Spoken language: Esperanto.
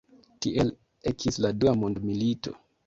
Tiel ekis la Dua mondmilito.